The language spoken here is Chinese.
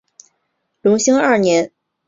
隆兴二年赐同进士出身。